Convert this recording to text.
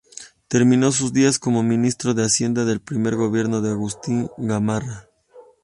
Terminó sus días como ministro de Hacienda del primer gobierno de Agustín Gamarra.